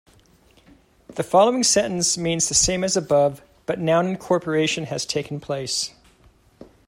The following sentence means the same as above, but noun incorporation has taken place.